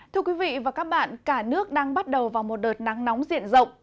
thưa quý vị và các bạn cả nước đang bắt đầu vào một đợt nắng nóng diện rộng